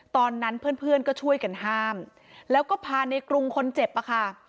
ตอนนั้นเพื่อนเพื่อนก็ช่วยกันห้ามแล้วก็พาในกรุงคนเจ็บอะค่ะ